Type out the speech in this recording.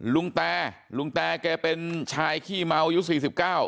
ลุงแตลุงแตแกเป็นชายขี้เมาอายุสี่สิบเก้า